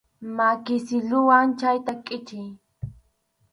Maki silluwan chayta kʼichiy.